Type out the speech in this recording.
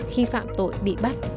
khi phạm tội bị bắt